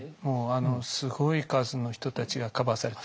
すごい数の人たちがカバーされて。